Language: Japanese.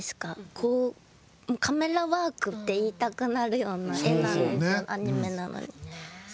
こうカメラワークって言いたくなるような絵なんですよ